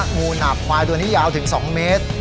งูหนาบควายตัวนี้ยาวถึง๒เมตร